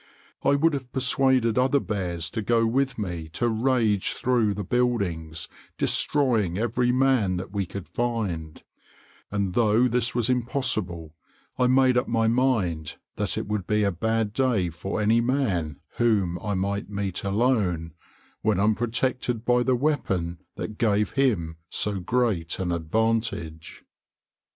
I would have persuaded other bears to go with me to rage through the buildings, destroying every man that we could find; and though this was impossible, I made up my mind that it would be a bad day for any man whom I might meet alone, when unprotected by the weapon that gave him so great an advantage.